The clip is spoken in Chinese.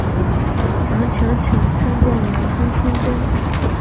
详情请参见连通空间。